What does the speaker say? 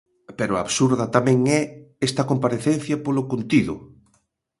Pero absurda tamén é esta comparecencia polo contido.